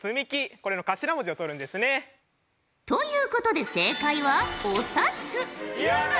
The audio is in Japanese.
これの頭文字を取るんですね。ということで正解はやった！